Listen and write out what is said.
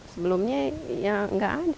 sebelumnya tidak ada